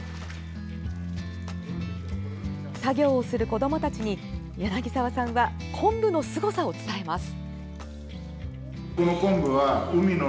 作業をする子どもたちに柳澤さんはこんぶのすごさを伝えます。